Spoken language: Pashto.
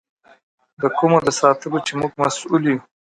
د کومو د ساتلو چې موږ مسؤل یو.